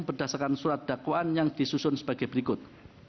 berdasarkan surat dakwaan yang disusun sebagai berikut